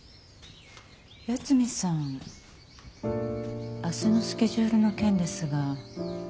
八海さん明日のスケジュールの件ですがいいですか？